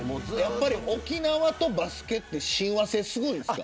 沖縄とバスケって親和性すごいんですか。